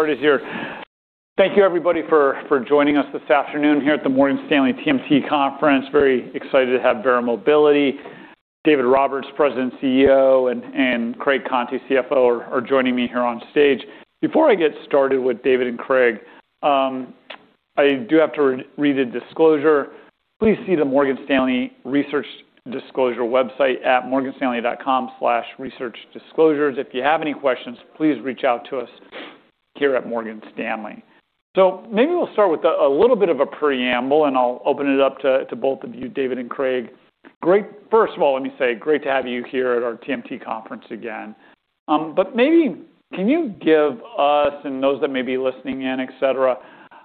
Thank you, everybody, for joining us this afternoon here at the Morgan Stanley TMT Conference. Very excited to have Verra Mobility. David Roberts, President & CEO, and Craig Conti, CFO, are joining me here on stage. Before I get started with David and Craig, I do have to read a disclosure. Please see the Morgan Stanley Research Disclosure website at morganstanley.com/researchdisclosures. If you have any questions, please reach out to us here at Morgan Stanley. Maybe we'll start with a little bit of a preamble, and I'll open it up to both of you, David and Craig. First of all, let me say great to have you here at our TMT Conference again. Maybe can you give us and those that may be listening in, et cetera,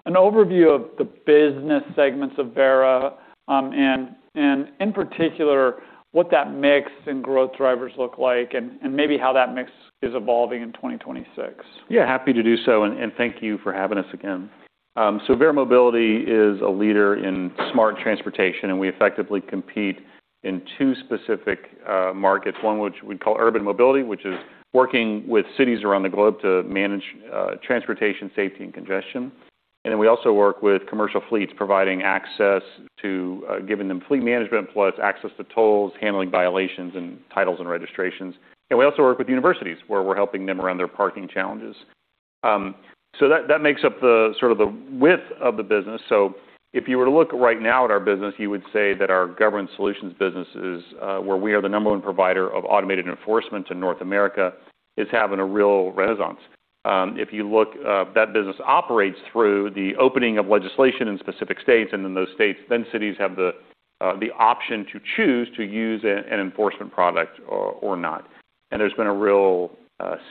an overview of the business segments of Verra, and in particular, what that mix and growth drivers look like and maybe how that mix is evolving in 2026. Yeah, happy to do so, and thank you for having us again. Verra Mobility is a leader in smart transportation, and we effectively compete in two specific markets, one which we call urban mobility, which is working with cities around the globe to manage transportation, safety, and congestion. We also work with commercial fleets, providing access to giving them fleet management plus access to tolls, handling violations and titles and registrations. We also work with universities, where we're helping them around their parking challenges. That, that makes up the sort of the width of the business. If you were to look right now at our business, you would say that our Government Solutions business is where we are the number one provider of automated enforcement in North America, is having a real renaissance. If you look, that business operates through the opening of legislation in specific states, and in those states, then cities have the option to choose to use an enforcement product or not. There's been a real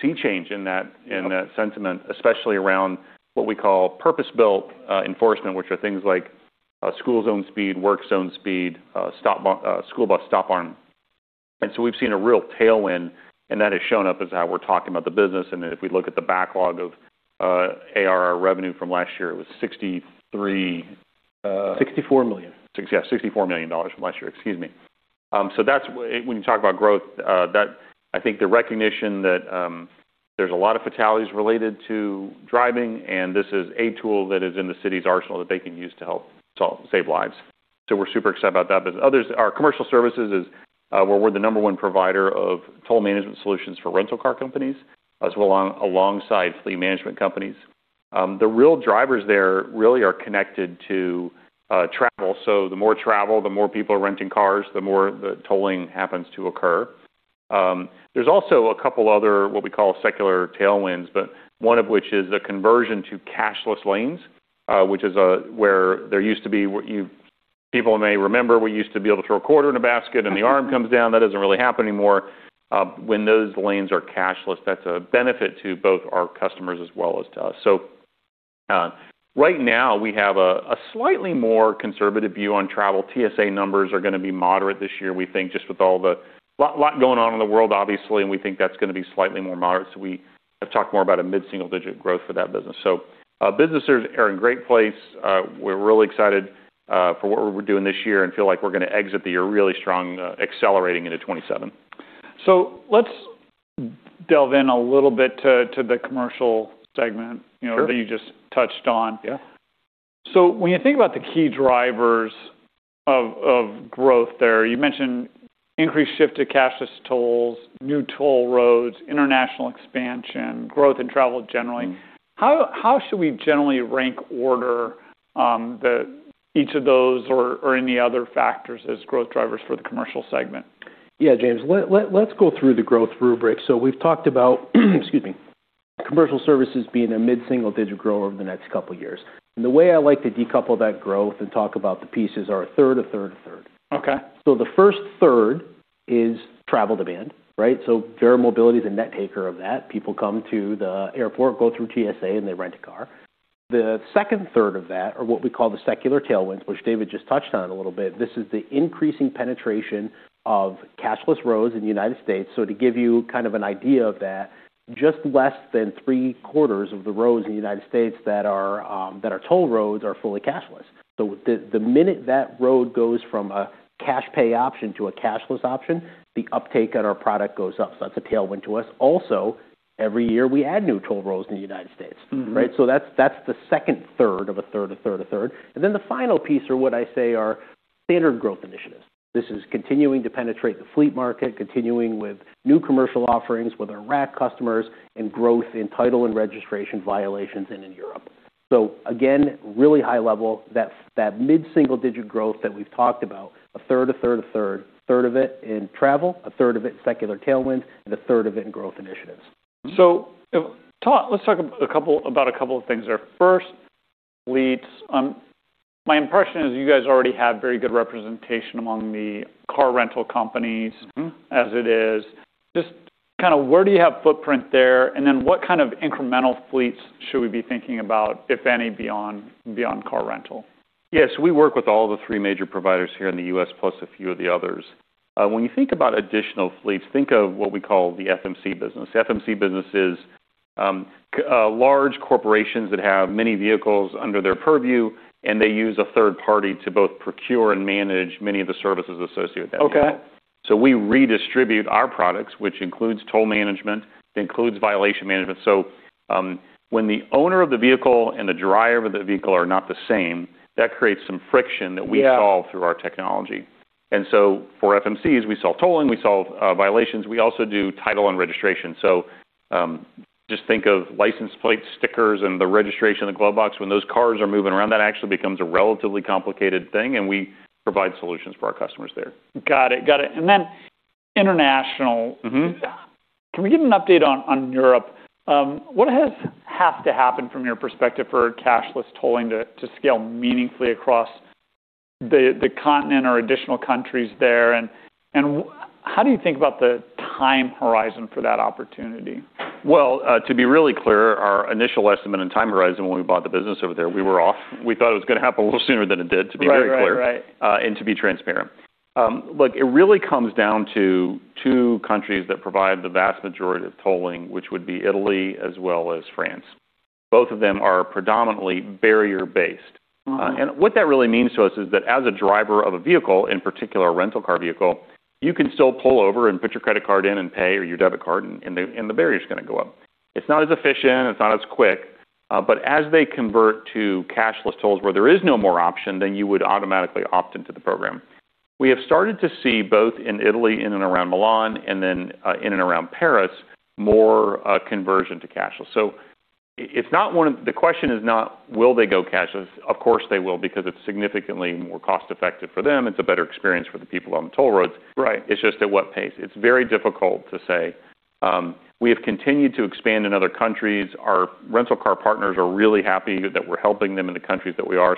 sea change in that, in that sentiment, especially around what we call purpose-built enforcement, which are things like school zone speed, work zone speed, school bus stop arm. We've seen a real tailwind, and that has shown up as how we're talking about the business. If we look at the backlog of ARR revenue from last year, it was $63. $64 million. Yeah, $64 million from last year. Excuse me. When you talk about growth, I think the recognition that there's a lot of fatalities related to driving, this is a tool that is in the city's arsenal that they can use to help save lives. We're super excited about that. Our Commercial Services is where we're the number one provider of toll management solutions for rental car companies, alongside fleet management companies. The real drivers there really are connected to travel. The more travel, the more people are renting cars, the more the tolling happens to occur. There's also a couple other, what we call, secular tailwinds, one of which is the conversion to cashless lanes, which is where there used to be what you people may remember, we used to be able to throw a quarter in a basket, and the arm comes down. That doesn't really happen anymore. When those lanes are cashless, that's a benefit to both our customers as well as to us. Right now, we have a slightly more conservative view on travel TSA numbers are gonna be moderate this year, we think, just with all the Lot going on in the world, obviously, and we think that's gonna be slightly more moderate. We have talked more about a mid-single-digit growth for that business. Businesses are in great place. We're really excited for what we're doing this year and feel like we're gonna exit the year really strong, accelerating into 2027. Let's delve in a little bit to the commercial segment. Sure. you know, that you just touched on. Yeah. When you think about the key drivers of growth there, you mentioned increased shift to cashless tolls, new toll roads, international expansion, growth in travel generally. Mm-hmm. How should we generally rank order each of those or any other factors as growth drivers for the Commercial Segment? Yeah, James, let's go through the growth rubric. We've talked about, excuse me, Commercial Services being a mid-single digit growth over the next two years. The way I like to decouple that growth and talk about the pieces are a third, a third, a third. Okay. The first third is travel demand, right? Verra Mobility is a net taker of that. People come to the airport, go through TSA, and they rent a car. The second third of that are what we call the secular tailwinds, which David just touched on a little bit. This is the increasing penetration of cashless roads in the United States. To give you kind of an idea of that, just less than three-quarters of the roads in the United States that are toll roads are fully cashless. The minute that road goes from a cash pay option to a cashless option, the uptake on our product goes up. That's a tailwind to us. Also, every year, we add new toll roads in the United States, right? Mm-hmm. That's the second third of a third, a third, a third. The final piece are what I say are standard growth initiatives. This is continuing to penetrate the fleet market, continuing with new commercial offerings with our RAC customers and growth in title and registration violations and in Europe. Again, really high level, that mid-single digit growth that we've talked about, a third, a third, a third, a third of it in travel, a third of it in secular tailwinds, and a third of it in growth initiatives. Let's talk about a couple of things there. First, fleets. My impression is you guys already have very good representation among the car rental companies. Mm-hmm. as it is. Just kinda where do you have footprint there, and then what kind of incremental fleets should we be thinking about, if any, beyond car rental? We work with all the three major providers here in the U.S., plus a few of the others. When you think about additional fleets, think of what we call the FMC business. FMC business is large corporations that have many vehicles under their purview, and they use a third party to both procure and manage many of the services associated with that. Okay. We redistribute our products, which includes toll management, includes violation management. When the owner of the vehicle and the driver of the vehicle are not the same, that creates some friction. Yeah solve through our technology. For FMCs, we solve tolling, we solve violations. We also do title and registration. Just think of license plate stickers and the registration in the glove box. When those cars are moving around, that actually becomes a relatively complicated thing, and we provide solutions for our customers there. Got it. Got it. Then international. Mm-hmm. Can we get an update on Europe? What has to happen from your perspective for cashless tolling to scale meaningfully across the continent or additional countries there? How do you think about the time horizon for that opportunity? To be really clear, our initial estimate and time horizon when we bought the business over there, we were off. We thought it was gonna happen a little sooner than it did, to be very clear. Right. Right. To be transparent. Look, it really comes down to two countries that provide the vast majority of tolling, which would be Italy as well as France. Both of them are predominantly barrier-based. Mm-hmm. And what that really means to us is that as a driver of a vehicle, in particular a rental car vehicle, you can still pull over and put your credit card in and pay, or your debit card, and the barrier's gonna go up. It's not as efficient, it's not as quick, but as they convert to cashless tolls where there is no more option, then you would automatically opt into the program. We have started to see both in Italy, in and around Milan, and then in and around Paris, more conversion to cashless. The question is not will they go cashless? Of course, they will because it's significantly more cost-effective for them. It's a better experience for the people on the toll roads. Right. It's just at what pace. It's very difficult to say. We have continued to expand in other countries. Our rental car partners are really happy that we're helping them in the countries that we are.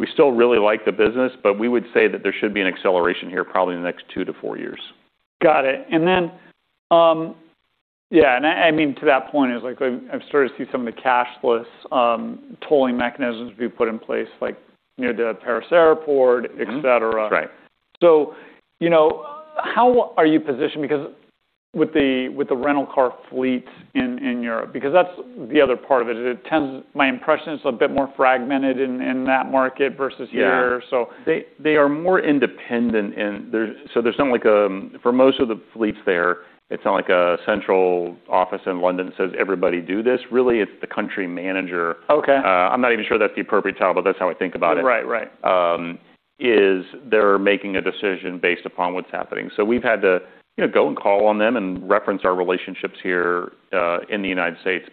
We still really like the business, but we would say that there should be an acceleration here probably in the next two to four years. Got it. Yeah, and I mean to that point, it's like I've started to see some of the cashless tolling mechanisms be put in place, like near the Paris airport... Mm-hmm et cetera. Right. you know, how are you positioned because with the, with the rental car fleet in Europe, because that's the other part of it? My impression is a bit more fragmented in that market versus here. Yeah. So. They are more independent. There's not like a, for most of the fleets there, it's not like a central office in London says, "Everybody do this." Really, it's the country manager. Okay. I'm not even sure that's the appropriate title, but that's how I think about it. Right. Right. Is they're making a decision based upon what's happening. We've had to, you know, go and call on them and reference our relationships here in the United States.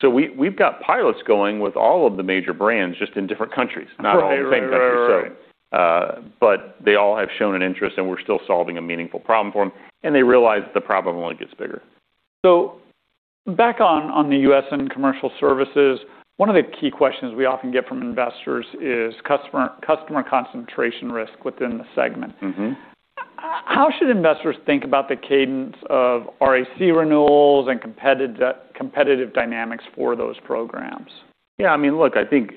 So we've got pilots going with all of the major brands, just in different countries, not all in the same country. Right. Right. Right. Right. Right. They all have shown an interest, and we're still solving a meaningful problem for them, and they realize the problem only gets bigger. Back on the U.S. and Commercial Services, one of the key questions we often get from investors is customer concentration risk within the segment. Mm-hmm. How should investors think about the cadence of RAC renewals and competitive dynamics for those programs? Yeah, I mean, look, I think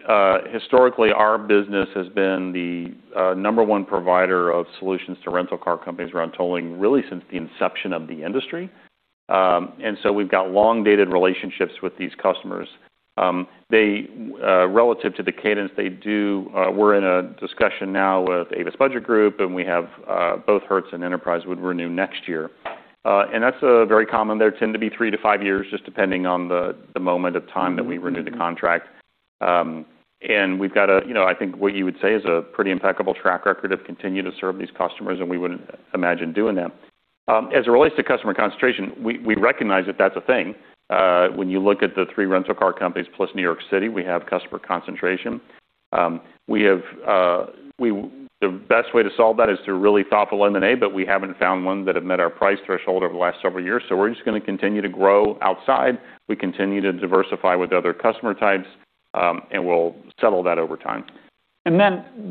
historically our business has been the number one provider of solutions to rental car companies around tolling, really since the inception of the industry. We've got long-dated relationships with these customers. They relative to the cadence, they do, we're in a discussion now with Avis Budget Group, and we have both Hertz and Enterprise would renew next year. That's very common. There tend to be three to five years just depending on the moment of time... Mm-hmm. Mm-hmm. that we renew the contract. We've got a, you know, I think what you would say is a pretty impeccable track record of continuing to serve these customers, and we wouldn't imagine doing that. As it relates to customer concentration, we recognize that that's a thing. When you look at the three rental car companies plus New York City, we have customer concentration. We have, the best way to solve that is through really thoughtful M&A. We haven't found one that have met our price threshold over the last several years. We're just gonna continue to grow outside. We continue to diversify with other customer types, and we'll settle that over time.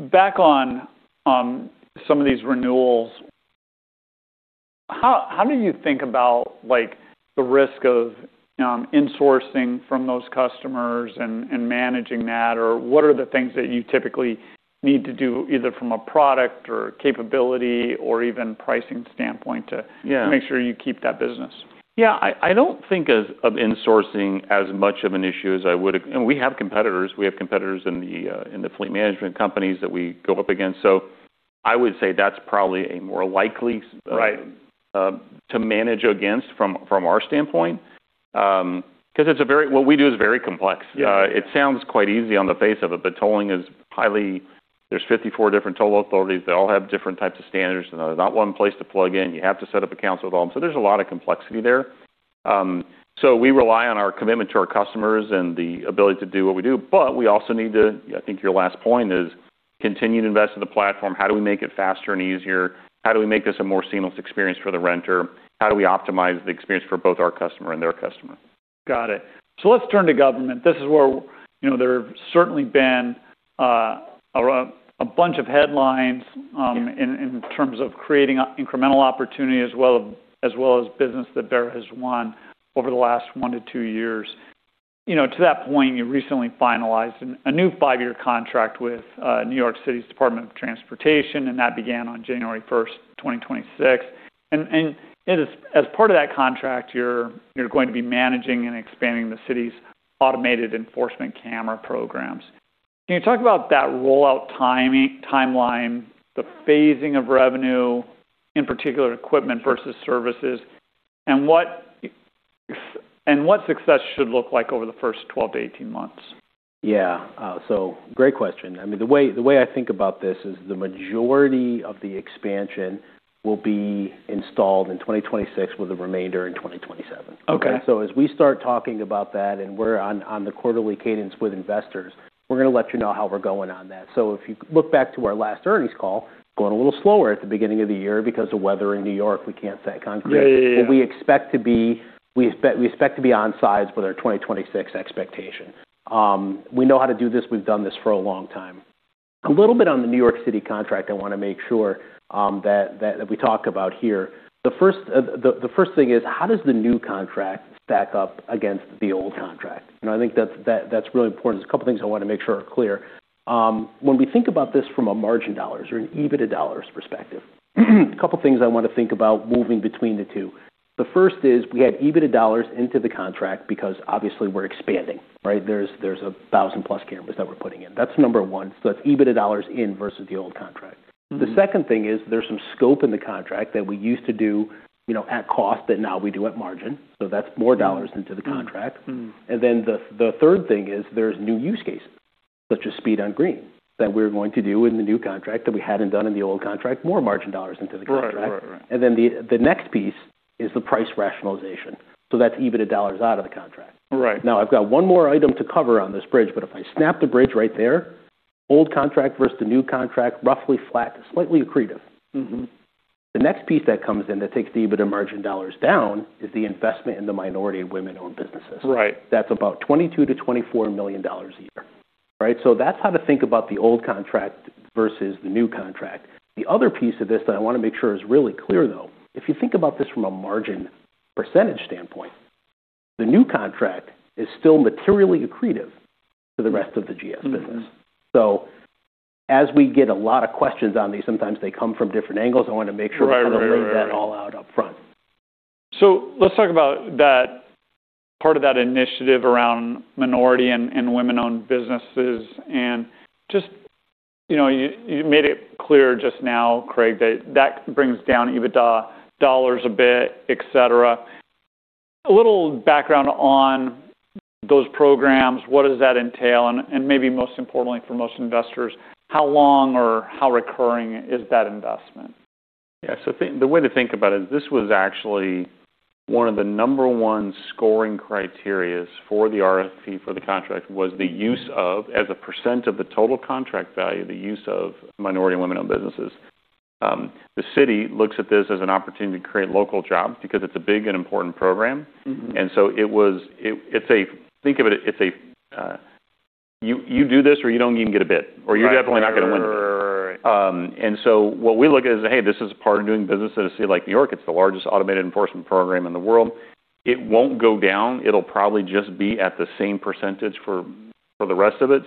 Back on, some of these renewals, how do you think about like the risk of insourcing from those customers and managing that? Or what are the things that you typically need to do either from a product or capability or even pricing standpoint? Yeah to make sure you keep that business? Yeah. I don't think of insourcing as much of an issue as I would. We have competitors. We have competitors in the fleet management companies that we go up against. I would say that's probably a more likely. Right to manage against from our standpoint. 'Cause what we do is very complex. Yeah. Yeah. It sounds quite easy on the face of it, tolling is highly. There's 54 different toll authorities. They all have different types of standards, and there's not one place to plug in. You have to set up accounts with all of them. There's a lot of complexity there. We rely on our commitment to our customers and the ability to do what we do. We also need to, I think your last point is, continue to invest in the platform. How do we make it faster and easier? How do we make this a more seamless experience for the renter? How do we optimize the experience for both our customer and their customer? Got it. Let's turn to government. This is where, there have certainly been a bunch of headlines, in terms of creating incremental opportunity as well as business that Verra has won over the last one to two years. To that point, you recently finalized a new five years contract with New York City Department of Transportation, and that began on January 1st, 2026. As part of that contract, you're going to be managing and expanding the city's automated enforcement camera programs. Can you talk about that rollout timing, timeline, the phasing of revenue, in particular equipment versus services, and what success should look like over the 1st 12 to 18 months? Great question. I mean, the way I think about this is the majority of the expansion will be installed in 2026, with the remainder in 2027. Okay. As we start talking about that and we're on the quarterly cadence with investors, we're gonna let you know how we're going on that. If you look back to our last earnings call, going a little slower at the beginning of the year because of weather in New York. We can't say Conti. Yeah, yeah. We expect to be on sides with our 2026 expectation. We know how to do this. We've done this for a long time. A little bit on the New York City contract, I wanna make sure that we talk about here. The first thing is how does the new contract stack up against the old contract? You know, I think that's really important. There's a couple things I wanna make sure are clear. When we think about this from a margin dollars or an EBITDA dollars perspective, a couple things I wanna think about moving between the two. The first is we add EBITDA dollars into the contract because obviously we're expanding, right? There's a 1,000-plus cameras that we're putting in. That's number one. That's EBITDA $ in versus the old contract. Mm-hmm. The second thing is there's some scope in the contract that we used to do, you know, at cost that now we do at margin. That's more dollars into the contract. Mm. Mm. The third thing is there's new use cases, such as speed on green, that we're going to do in the new contract that we hadn't done in the old contract. More margin dollars into the contract. Right. Right, right. The next piece is the price rationalization. That's EBITDA dollars out of the contract. Right. I've got one more item to cover on this bridge, but if I snap the bridge right there, old contract versus the new contract, roughly flat to slightly accretive. Mm-hmm. The next piece that comes in that takes the EBITDA margin dollars down is the investment in the minority and women-owned businesses. Right. That's about $22 million-$24 million a year, right? That's how to think about the old contract versus the new contract. The other piece of this that I wanna make sure is really clear, though. If you think about this from a margin % standpoint, the new contract is still materially accretive to the rest of the GS business. Mm-hmm. As we get a lot of questions on these, sometimes they come from different angles. I wanna make sure. Right, right. to lay that all out upfront. Let's talk about that part of that initiative around minority and women-owned businesses. Just, you know, you made it clear just now, Craig, that that brings down EBITDA dollars a bit, et cetera. A little background on those programs, what does that entail? Maybe most importantly for most investors, how long or how recurring is that investment? Yeah. The way to think about it is this was actually one of the number one scoring criteria for the RFP for the contract, was the use of, as a % of the total contract value, the use of minority and women-owned businesses. The city looks at this as an opportunity to create local jobs because it's a big and important program. Mm-hmm. It's a, think of it's a, you do this or you don't even get a bid. Right. you're definitely not gonna win it. Right. What we look at is, hey, this is part of doing business in a city like New York. It's the largest automated enforcement program in the world. It won't go down. It'll probably just be at the same percentage for the rest of it.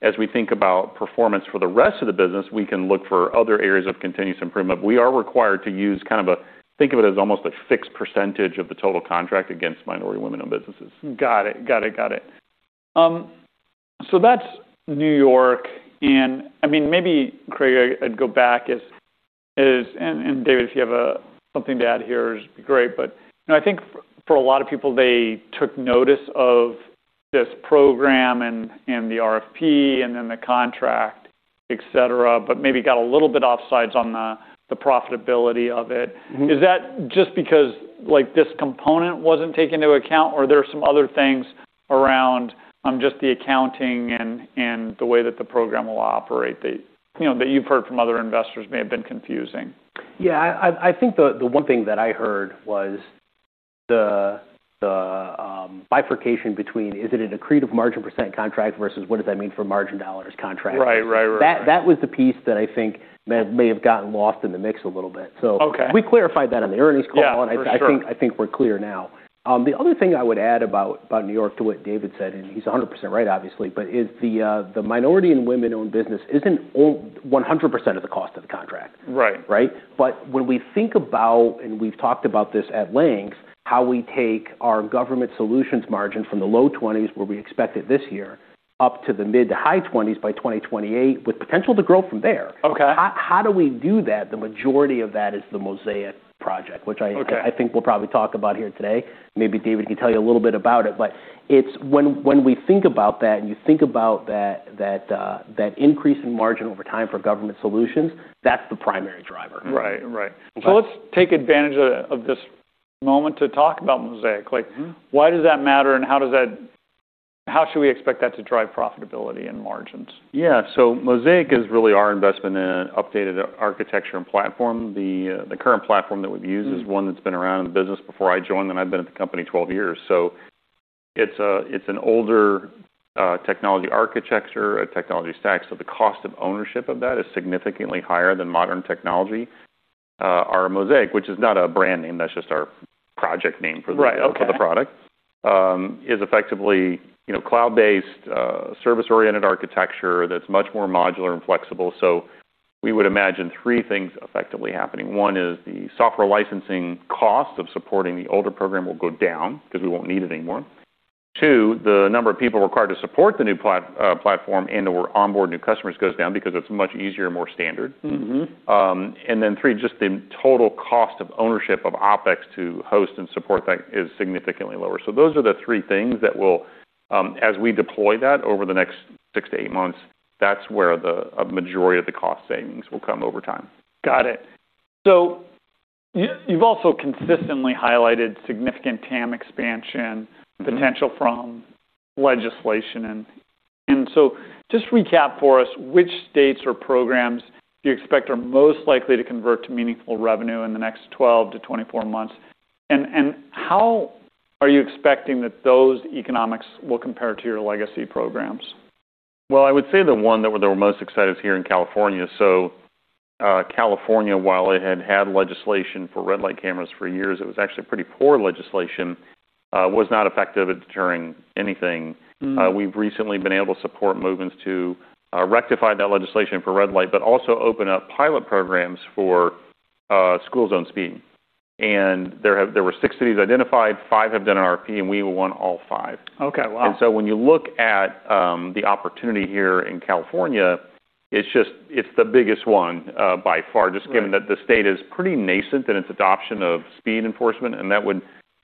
As we think about performance for the rest of the business, we can look for other areas of continuous improvement. We are required to use Think of it as almost a fixed percentage of the total contract against minority women-owned businesses. Got it. That's New York. I mean, maybe Craig, I'd go back as. David, if you have a something to add here is be great. You know, I think for a lot of people, they took notice of this program and the RFP and then the contract, et cetera, but maybe got a little bit offsides on the profitability of it. Mm-hmm. Is that just because, like, this component wasn't taken into account or there are some other things around, just the accounting and the way that the program will operate that, you know, that you've heard from other investors may have been confusing? Yeah. I think the one thing that I heard was the bifurcation between is it an accretive margin percent contract versus what does that mean for margin dollars contract? Right, right. That was the piece that I think may have gotten lost in the mix a little bit. Okay we clarified that on the earnings call. Yeah, for sure. I think we're clear now. The other thing I would add about New York to what David said, and he's 100% right, obviously, but is the minority and women-owned business isn't 100% of the cost of the contract. Right. When we think about, and we've talked about this at length, how we take our Government Solutions margin from the low 20s%, where we expect it this year, up to the mid-to-high 20s% by 2028 with potential to grow from there. Okay. How do we do that? The majority of that is the Mosaic project, which Okay I think we'll probably talk about here today. Maybe David can tell you a little bit about it. It's when we think about that and you think about that increase in margin over time for Government Solutions, that's the primary driver. Right. Right. Okay. Let's take advantage of this moment to talk about Mosaic. Mm-hmm Why does that matter and how should we expect that to drive profitability and margins? Yeah. Mosaic is really our investment in an updated architecture and platform. The current platform that we've used. Mm is one that's been around in the business before I joined, and I've been at the company 12 years. It's a, it's an older technology architecture, a technology stack, so the cost of ownership of that is significantly higher than modern technology. Our Mosaic, which is not a brand name, that's just our project name for the- Right. Okay.... for the product, is effectively, you know, cloud-based, service-oriented architecture that's much more modular and flexible. We would imagine three things effectively happening. One is the software licensing cost of supporting the older program will go down because we won't need it anymore. Two, the number of people required to support the new platform and or onboard new customers goes down because it's much easier and more standard. Mm-hmm. Three, just the total cost of ownership of OpEx to host and support that is significantly lower. Those are the three things that will, as we deploy that over the next six to eight months, that's where the, a majority of the cost savings will come over time. Got it. You've also consistently highlighted significant TAM expansion. Mm-hmm potential from legislation, and so just recap for us which states or programs do you expect are most likely to convert to meaningful revenue in the next 12 to 24 months? How are you expecting that those economics will compare to your legacy programs? I would say the one that we're the most excited is here in California. California, while it had had legislation for red-light cameras for years, it was actually pretty poor legislation, was not effective at deterring anything. Mm. We've recently been able to support movements to rectify that legislation for red-light, but also open up pilot programs for school zone speed. There were six cities identified, five have done an RFP and we won all five. Okay. Wow. When you look at, the opportunity here in California, it's the biggest one, by far. Right That the state is pretty nascent in its adoption of speed enforcement.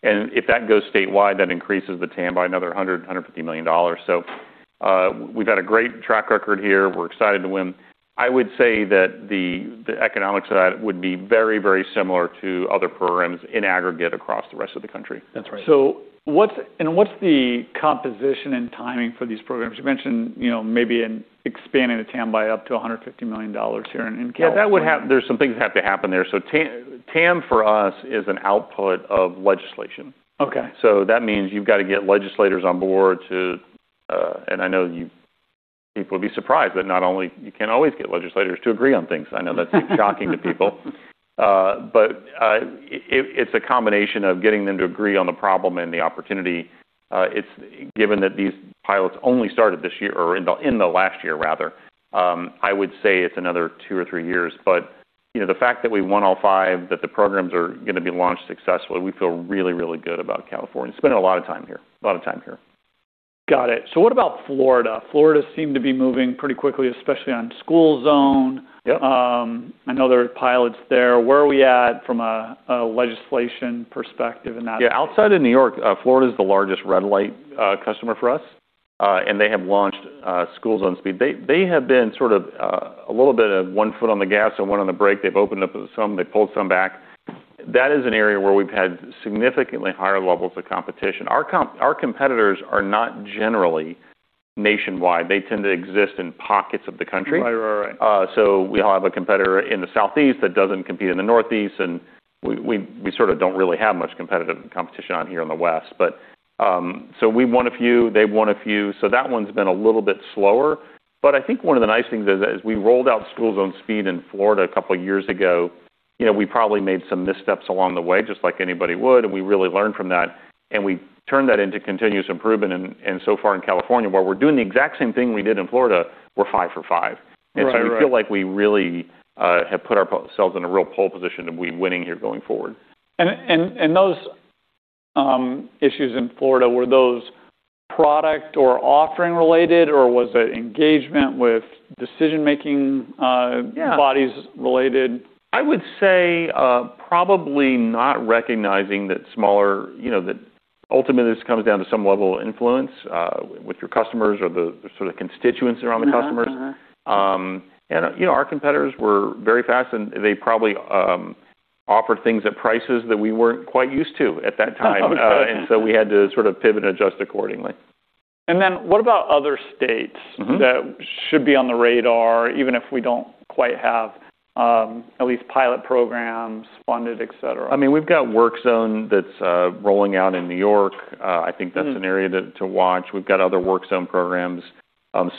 If that goes statewide, that increases the TAM by another $150 million. We've had a great track record here. We're excited to win. I would say that the economics of that would be very, very similar to other programs in aggregate across the rest of the country. That's right. What's the composition and timing for these programs? You mentioned, you know, maybe in expanding the TAM by up to $150 million here in California. Yeah, that would There's some things that have to happen there. TAM for us is an output of legislation. Okay. That means you've got to get legislators on board to, and I know people would be surprised, but not only you can always get legislators to agree on things. I know that's shocking to people. But, it's a combination of getting them to agree on the problem and the opportunity. It's. Given that these pilots only started this year or in the, in the last year rather, I would say it's another two or three years. You know, the fact that we won all five, that the programs are gonna be launched successfully, we feel really good about California. Spend a lot of time here. Got it. What about Florida? Florida seemed to be moving pretty quickly, especially on school zone. Yep. I know there are pilots there. Where are we at from a legislation perspective in that? Yeah, outside of New York, Florida's the largest red light customer for us. They have launched school zone speed. They have been sort of a little bit of one foot on the gas and one on the brake. They've opened up some, they pulled some back. That is an area where we've had significantly higher levels of competition. Our competitors are not generally nationwide. They tend to exist in pockets of the country. Right. Right. Right. We'll have a competitor in the southeast that doesn't compete in the northeast, and we sort of don't really have much competitive competition out here in the west. We won a few, they won a few. That one's been a little bit slower. I think one of the nice things is we rolled out school zone speed in Florida two years ago. You know, we probably made some missteps along the way, just like anybody would, and we really learned from that, and we turned that into continuous improvement. So far in California, where we're doing the exact same thing we did in Florida, we're five for five. Right. Right. We feel like we really have put ourselves in a real pole position to be winning here going forward. Those issues in Florida, were those product or offering related, or was it engagement with decision-making? Yeah bodies related? I would say, probably not recognizing that smaller, you know, that ultimately this comes down to some level of influence, with your customers or the sort of constituents around the customers. Mm-hmm. Mm-hmm. You know, our competitors were very fast, and they probably offered things at prices that we weren't quite used to at that time. Okay. We had to sort of pivot and adjust accordingly. What about other states? Mm-hmm that should be on the radar, even if we don't quite have, at least pilot programs funded, et cetera? I mean, we've got Work Zone that's rolling out in New York. I think that's an area to watch. We've got other Work Zone programs.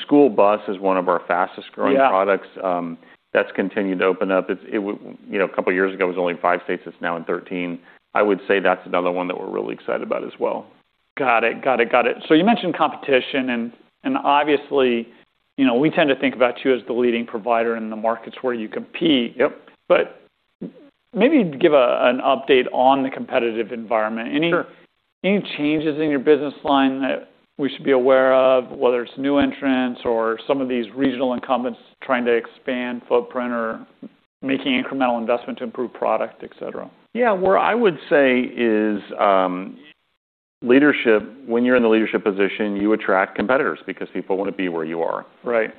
School Bus is one of our fastest growing products. Yeah. That's continued to open up. It's, you know, a couple of years ago, it was only in five states, it's now in 13. I would say that's another one that we're really excited about as well. Got it. Got it. Got it. You mentioned competition and obviously, you know, we tend to think about you as the leading provider in the markets where you compete. Yep. Maybe give an update on the competitive environment. Sure. Any changes in your business line that we should be aware of, whether it's new entrants or some of these regional incumbents trying to expand footprint or making incremental investment to improve product, et cetera? Yeah. Where I would say is leadership. When you're in the leadership position, you attract competitors because people wanna be where you are. Right.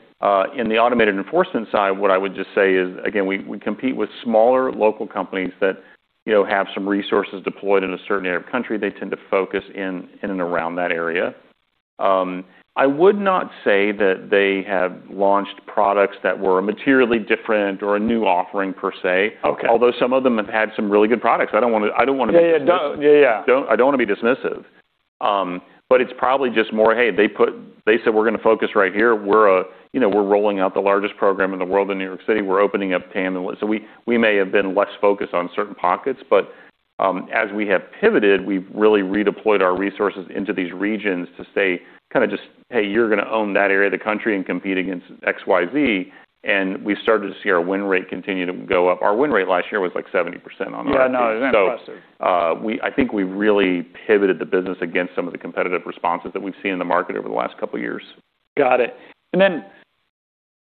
In the automated enforcement side, what I would just say is, again, we compete with smaller local companies that, you know, have some resources deployed in a certain area of country. They tend to focus in and around that area. I would not say that they have launched products that were materially different or a new offering per se. Okay. Although some of them have had some really good products. I don't wanna be. Yeah. Yeah. Yeah. don't, I don't wanna be dismissive. It's probably just more, hey, they said, we're gonna focus right here. We're, you know, we're rolling out the largest program in the world in New York City. We're opening up TAM. We may have been less focused on certain pockets. As we have pivoted, we've really redeployed our resources into these regions to say kinda just, "Hey, you're gonna own that area of the country and compete against XYZ." We started to see our win rate continue to go up. Our win rate last year was, like, 70% on RFPs. Yeah, no, impressive. I think we really pivoted the business against some of the competitive responses that we've seen in the market over the last couple years. Got it.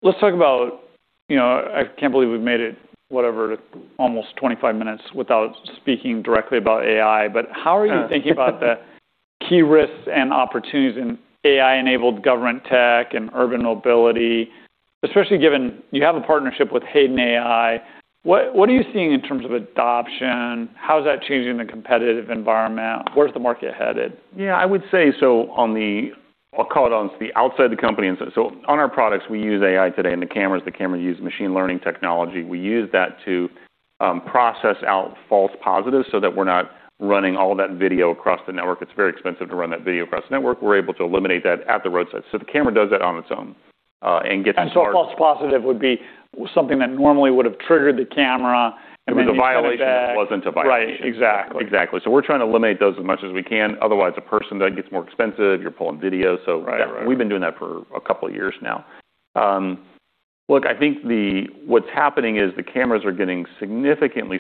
Let's talk about, you know, I can't believe we've made it, whatever, to almost 25 minutes without speaking directly about AI. Yeah. How are you thinking about the key risks and opportunities in AI-enabled government tech and urban mobility, especially given you have a partnership with Hayden AI? What are you seeing in terms of adoption? How is that changing the competitive environment? Where's the market headed? Yeah. I would say, so on the... I'll call it on the outside of the company. On our products, we use AI today, and the camera use machine learning technology. We use that to process out false positives so that we're not running all of that video across the network. It's very expensive to run that video across the network. We're able to eliminate that at the roadside. The camera does that on its own. A false positive would be something that normally would have triggered the camera, and then you send it. It was a violation that wasn't a violation. Right. Exactly. Exactly. We're trying to eliminate those as much as we can. Otherwise, a person, that gets more expensive. You're pulling video. Right. Right. we've been doing that for a couple years now. Look, I think what's happening is the cameras are getting significantly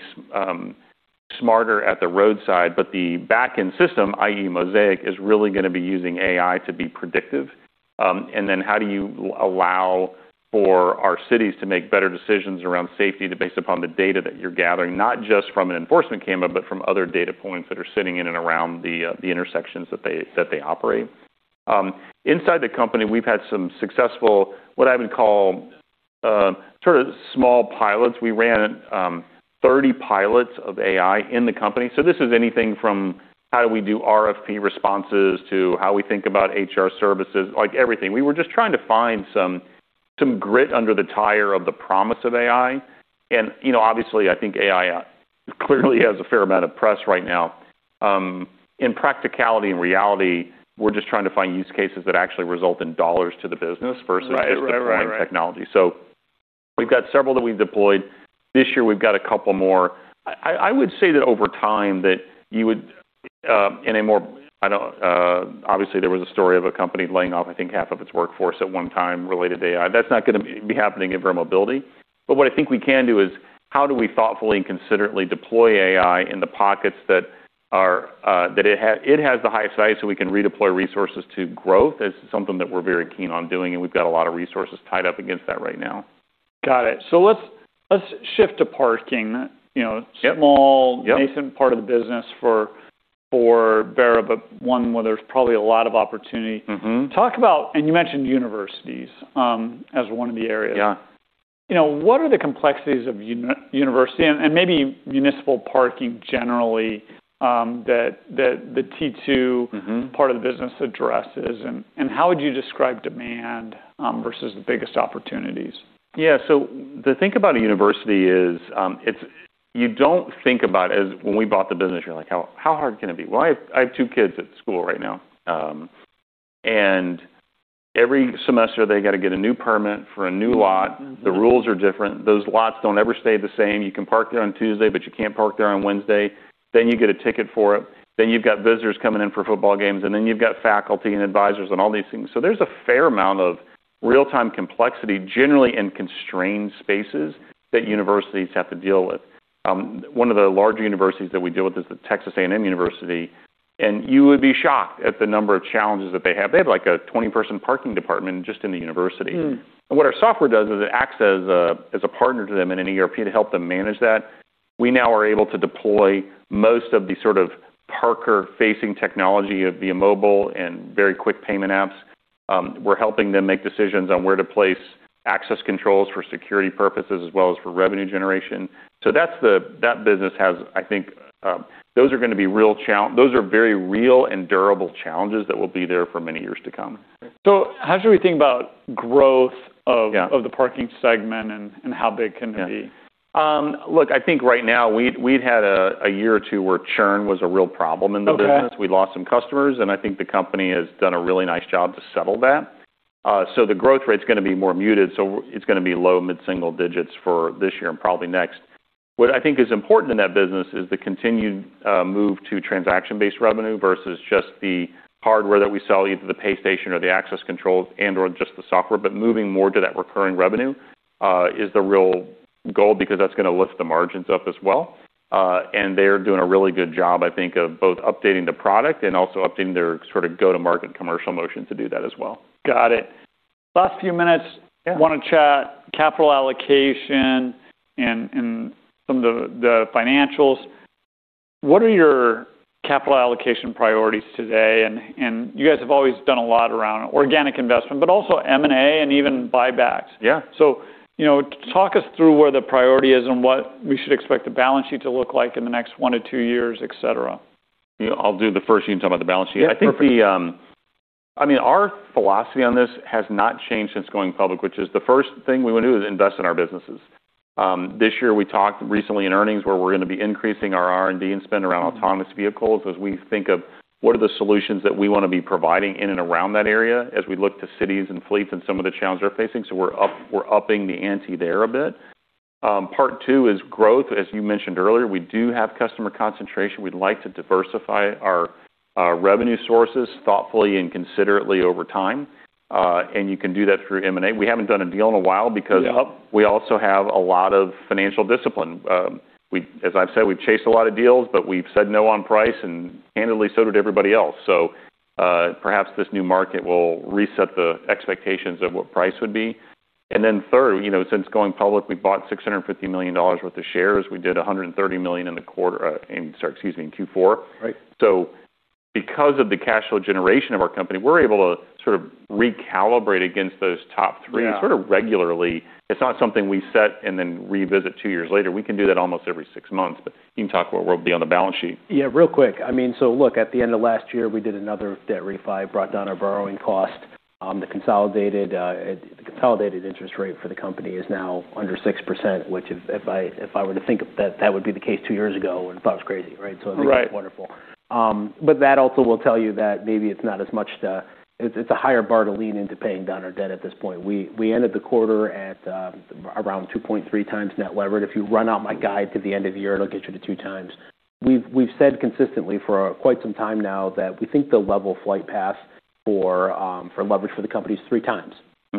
smarter at the roadside, but the back-end system, i.e., Mosaic, is really gonna be using AI to be predictive. How do you allow for our cities to make better decisions around safety based upon the data that you're gathering, not just from an enforcement camera, but from other data points that are sitting in and around the intersections that they operate? Inside the company, we've had some successful, what I would call, sort of small pilots. We ran 30 pilots of AI in the company. This is anything from how do we do RFP responses to how we think about HR services, like, everything. We were just trying to find some grit under the tire of the promise of AI. You know, obviously, I think AI clearly has a fair amount of press right now. In practicality and reality, we're just trying to find use cases that actually result in dollars to the business. Right. Right, right versus just deploying technology. We've got several that we've deployed. This year, we've got a couple more. I would say that over time that you would. Obviously, there was a story of a company laying off, I think, half of its workforce at one time related to AI. That's not gonna be happening in Verra Mobility. What I think we can do is how do we thoughtfully and considerately deploy AI in the pockets that are that it has the highest value so we can redeploy resources to growth. That's something that we're very keen on doing, and we've got a lot of resources tied up against that right now. Got it. Let's shift to parking. You know. Yep small- Yep decent part of the business for Verra, but one where there's probably a lot of opportunity. Mm-hmm. You mentioned universities as one of the areas. Yeah. You know, what are the complexities of university and maybe municipal parking generally, that the T2 Mm-hmm part of the business addresses, and how would you describe demand, versus the biggest opportunities? Yeah. The thing about a university is, When we bought the business, you're like, "How, how hard can it be?" Well, I have two kids at school right now. Every semester, they gotta get a new permit for a new lot. Mm-hmm. The rules are different. Those lots don't ever stay the same. You can park there on Tuesday, but you can't park there on Wednesday. You get a ticket for it. You've got visitors coming in for football games, and then you've got faculty and advisors and all these things. There's a fair amount of real-time complexity, generally in constrained spaces, that universities have to deal with. One of the larger universities that we deal with is the Texas A&M University, and you would be shocked at the number of challenges that they have. They have, like, a 20-person parking department just in the university. Hmm. What our software does is it acts as a partner to them in an ERP to help them manage that. We now are able to deploy most of the sort of parker-facing technology via mobile and very quick payment apps. We're helping them make decisions on where to place access controls for security purposes as well as for revenue generation. That business has, I think, Those are gonna be very real and durable challenges that will be there for many years to come. How should we think about growth? Yeah of the parking segment and how big can it be? Yeah. Look, I think right now, we'd had a year or two where churn was a real problem in the business. Okay. We lost some customers, and I think the company has done a really nice job to settle that. The growth rate's gonna be more muted, it's gonna be low mid-single digits for this year and probably next. What I think is important in that business is the continued move to transaction-based revenue versus just the hardware that we sell, either the pay station or the access controls and/or just the software. Moving more to that recurring revenue is the real goal because that's gonna lift the margins up as well. They're doing a really good job, I think, of both updating the product and also updating their sort of go-to-market commercial motion to do that as well. Got it. Last few minutes. Yeah wanna chat capital allocation and some of the financials. What are your capital allocation priorities today? You guys have always done a lot around organic investment, but also M&A and even buybacks. Yeah. You know, talk us through where the priority is and what we should expect the balance sheet to look like in the next one to two years, et cetera. Yeah. I'll do the first, and you can talk about the balance sheet. Yeah, perfect. I think the I mean, our philosophy on this has not changed since going public, which is the first thing we wanna do is invest in our businesses. This year we talked recently in earnings where we're gonna be increasing our R&D and spend around autonomous vehicles as we think of what are the solutions that we wanna be providing in and around that area as we look to cities and fleets and some of the challenges they're facing. So we're upping the ante there a bit. Part two is growth. As you mentioned earlier, we do have customer concentration. We'd like to diversify our revenue sources thoughtfully and considerately over time. And you can do that through M&A. We haven't done a deal in a while because- Yeah we also have a lot of financial discipline. As I've said, we've chased a lot of deals, but we've said no on price, and candidly, so did everybody else. Perhaps this new market will reset the expectations of what price would be. Third, you know, since going public, we bought $650 million worth of shares. We did $130 million in the quarter, in Q4. Right. Because of the cash flow generation of our company, we're able to sort of recalibrate against those top three... Yeah sort of regularly. It's not something we set and then revisit two years later. We can do that almost every six months. You can talk about where we'll be on the balance sheet. Yeah, real quick. I mean, look, at the end of last year, we did another debt refi, brought down our borrowing cost. The consolidated interest rate for the company is now under 6%, which if I were to think of that would be the case two years ago, would have thought it was crazy, right? Right. I think it's wonderful. That also will tell you that maybe it's not as much It's a higher bar to lean into paying down our debt at this point. We ended the quarter at around 2.3 times net levered. If you run out my guide to the end of the year, it'll get you to two times. We've said consistently for quite some time now that we think the level flight path for leverage for the company is three times.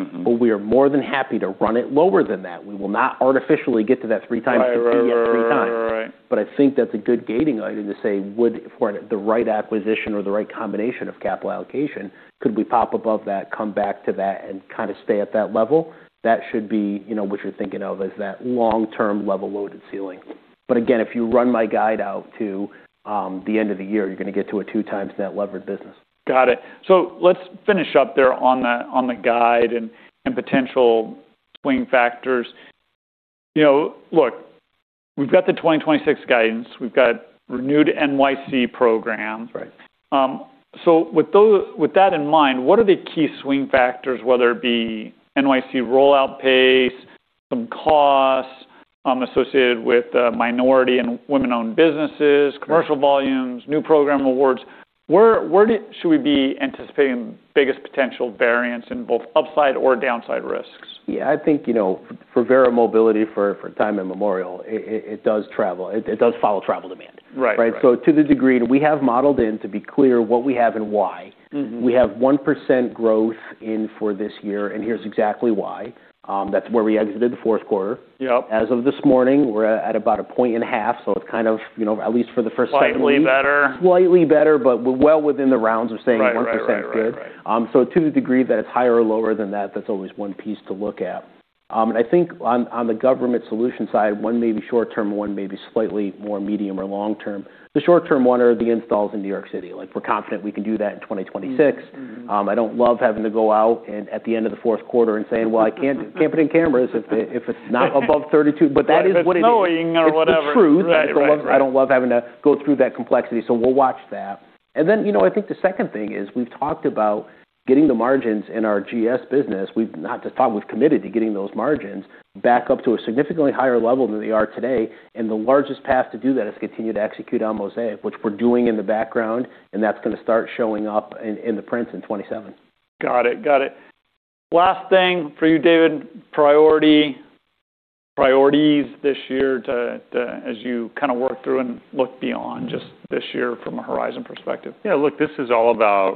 Mm-hmm. We are more than happy to run it lower than that. We will not artificially get to that 3x to see that 3x. Right. I think that's a good gating item to say would, for the right acquisition or the right combination of capital allocation, could we pop above that, come back to that, and kinda stay at that level? That should be, you know, what you're thinking of as that long-term level loaded ceiling. Again, if you run my guide out to the end of the year, you're gonna get to a 2x net levered business. Got it. Let's finish up there on the, on the guide and potential swing factors. You know, look, we've got the 2026 guidance, we've got renewed NYC programs. Right. With that in mind, what are the key swing factors, whether it be NYC rollout pace, some costs, associated with, minority and women-owned businesses. Correct Commercial volumes, new program awards. Where should we be anticipating biggest potential variance in both upside or downside risks? Yeah, I think, you know, for Verra Mobility for time and memorial, it does travel. It does follow travel demand. Right. Right. Right? To the degree that we have modeled in, to be clear, what we have and why. Mm-hmm. We have 1% growth in for this year. Here's exactly why. That's where we exited the fourth quarter. Yep. As of this morning, we're at about a point and a half, so it's kind of, you know, at least for the first time. Slightly better. Slightly better, but we're well within the rounds of saying 1% did. Right. Right. Right. Right. To the degree that it's higher or lower than that's always one piece to look at. I think on the Government Solutions side, one may be short-term, one may be slightly more medium or long-term. The short-term one are the installs in New York City. Like, we're confident we can do that in 2026. Mm-hmm. Mm-hmm. I don't love having to go out and at the end of the fourth quarter and saying, "Well, I can't put in cameras if it's not above 32." That is what it is. or whatever. It's the truth. Right. Right. Right. I don't love having to go through that complexity, so we'll watch that. You know, I think the second thing is we've talked about getting the margins in our GS business. We've not just talked, we've committed to getting those margins back up to a significantly higher level than they are today. The largest path to do that is continue to execute on Mosaic, which we're doing in the background, and that's gonna start showing up in the prints in 2027. Got it. Got it. Last thing for you, David, priorities this year as you kinda work through and look beyond just this year from a horizon perspective? Yeah. Look, this is all about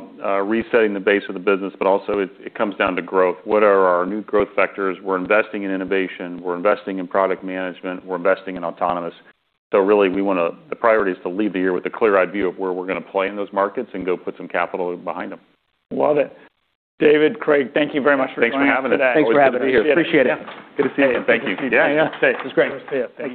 resetting the base of the business, but also it comes down to growth. What are our new growth vectors? We're investing in innovation. We're investing in product management. We're investing in autonomous. Really the priority is to leave the year with a clear-eyed view of where we're gonna play in those markets and go put some capital behind them. Love it. David, Craig, thank you very much for joining us today. Thanks for having us. Appreciate it. Always good to be here. Appreciate it. Yeah. Good to see you. Thank you. Yeah, yeah. It was great. Good to see you. Thank you.